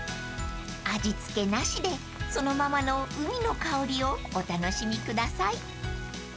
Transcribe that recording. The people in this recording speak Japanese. ［味付けなしでそのままの海の香りをお楽しみください］